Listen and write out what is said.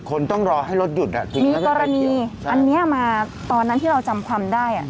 ต้องรอให้รถหยุดอ่ะจริงมีกรณีอันเนี้ยมาตอนนั้นที่เราจำความได้อ่ะ